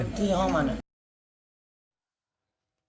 โดนที่ห้องมันน่ะ